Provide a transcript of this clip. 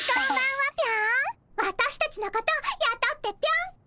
わたしたちのことやとってぴょん。